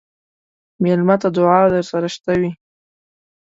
مېلمه ته دعا درسره شته وي.